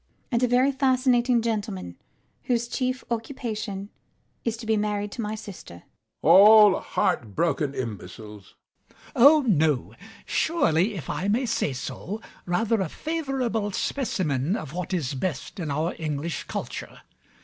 And a very fascinating gentleman whose chief occupation is to be married to my sister. HECTOR. All heartbroken imbeciles. MAZZINI. Oh no. Surely, if I may say so, rather a favorable specimen of what is best in our English culture.